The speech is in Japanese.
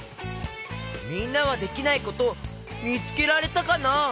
みんなはできないことみつけられたかな？